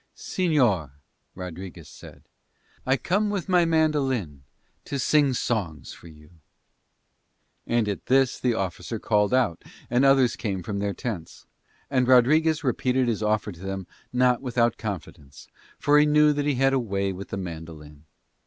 "Señor," Rodriguez said, "I come with my mandolin to sing songs to you." And at this the officer called out and others came from their tents; and Rodriguez repeated his offer to them not without confidence, for he knew that he had a way with the mandolin.